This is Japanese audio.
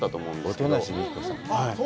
音無美紀子さん。